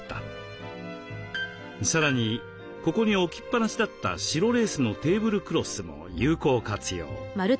さらにここに置きっぱなしだった白レースのテーブルクロスも有効活用。